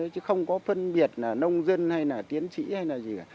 chứ không có phân biệt là nông dân hay là tiến sĩ hay là gì cả